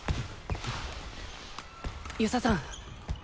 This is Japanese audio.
遊佐さん。